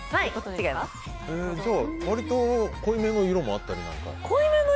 じゃあ割と濃い目の色もあったりなんか？